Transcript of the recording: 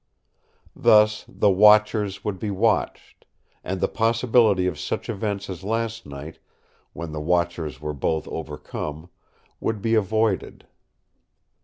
Thus, the watchers would be watched; and the possibility of such events as last night, when the watchers were both overcome, would be avoided.